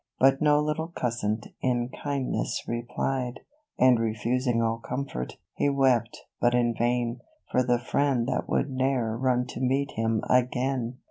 But no little cousin in kindness replied; And refusing all comfort, he wept, hut in vain, For the friend that would ne'er run to meet him again.